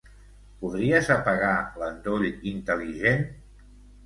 Podries apagar l'endoll intel·ligent?